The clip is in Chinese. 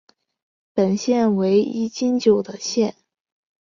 本县为一禁酒的县。